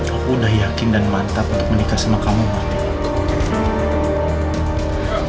aku udah yakin dan mantap untuk menikah sama kamu mati